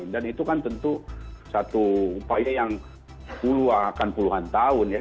dan itu kan tentu satu upaya yang puluhan tahun ya